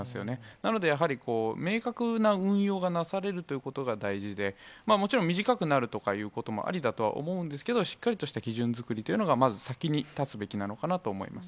なのでやはりこう、明確な運用がなされるということが大事で、もちろん、短くなることもありだとは思うんですけど、しっかりとした基準作りというのが、まず先に立つべきなのかなと思います。